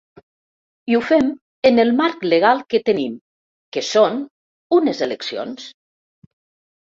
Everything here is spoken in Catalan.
I ho fem en el marc legal que tenim, que són unes eleccions.